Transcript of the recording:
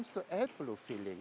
ketika berhubungan dengan